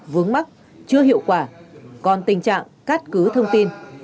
vướng mắt chưa hiệu quả còn tình trạng cắt cứ thông tin